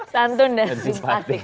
santun dan simpatik